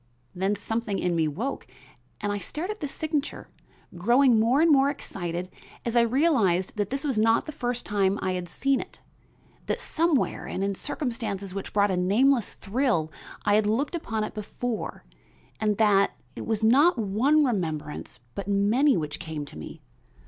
Then something in me woke and I stared at this signature, growing more and more excited as I realized that this was not the first time I had seen it, that somewhere and in circumstances which brought a nameless thrill I had looked upon it before and that it was not one remembrance but many which came to me.